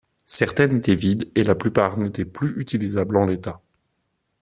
Certaines étaient vides et la plupart n'étaient plus utilisables en l'état.